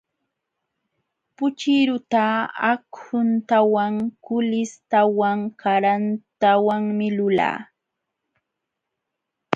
Puchiruta akhuntawan, kuulishtawan, karantawanmi lulaa.